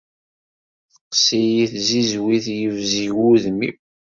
Teqqes-iyi tzizwit yebzeg wudem-iw.